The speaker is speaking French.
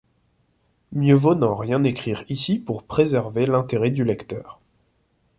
Mieux vaut n'en rien écrire ici pour préserver l'intérêt du lecteur.